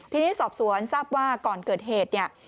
ทีนี้สอบสวนทราบว่าก่อนเกิดเหตุเนี่ย